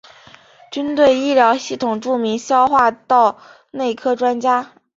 军队医疗系统著名消化道内科专家。